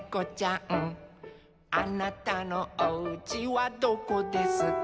「あなたのおうちはどこですか」